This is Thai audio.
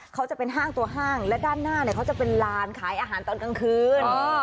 เขาจะเป็นห้างตัวห้างและด้านหน้าเนี่ยเขาจะเป็นลานขายอาหารตอนกลางคืน